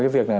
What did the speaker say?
cái việc này